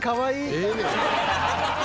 「ええねん」